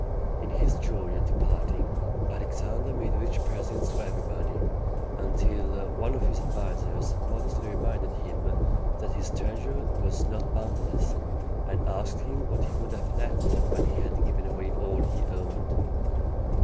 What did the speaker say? In his joy at departing, Alexander made rich presents to everybody, until one of his advisers modestly reminded him that his treasure was not boundless, and asked him what he would have left when he had given away all he owned.